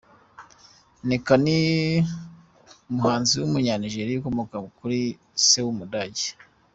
Nneka, ni umuhanzi w’Umunya-Nigeria ukomoka kuri se w’Umudage.